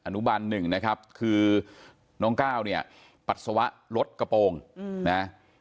นุบันหนึ่งนะครับคือน้องก้าวเนี่ยปัสสาวะลดกระโปรงนะ